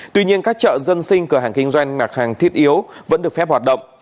tuy nhiên các chợ dân sinh cửa hàng kinh doanh nạc hàng thiết yếu vẫn được phép hoạt động